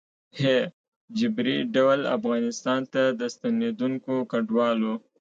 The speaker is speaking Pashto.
ه جبري ډول افغانستان ته د ستنېدونکو کډوالو